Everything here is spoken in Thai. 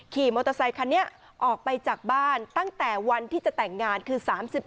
มอเตอร์ไซคันนี้ออกไปจากบ้านตั้งแต่วันที่จะแต่งงานคือ๓๘